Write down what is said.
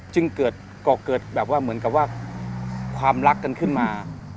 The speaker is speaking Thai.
เกิดแบบว่าเหมือนกับว่าความรักกันขึ้นมา